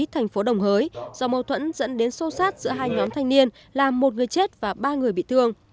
trong mâu thuẫn dẫn đến sâu sát giữa hai nhóm thanh niên là một người chết và ba người bị thương